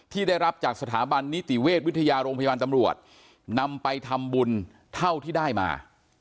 ที่ได้รับจากสถาบันนิติเวชวิทยาโรงพยาบาลตำรวจนำไปทำบุญเท่าที่ได้มา